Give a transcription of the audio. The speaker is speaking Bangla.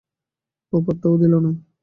ও পাত্তাও দিল না।